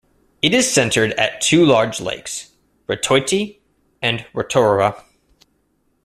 It is centered at two large lakes, Rotoiti and Rotoroa.